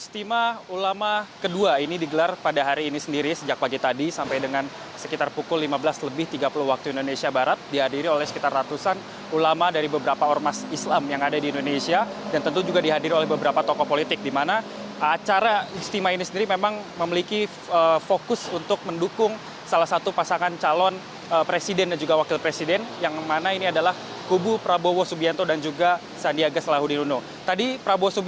terima kasih kepada ulama atas kepercayaan yang lebih besar kami atas dukungan yang begitu dikas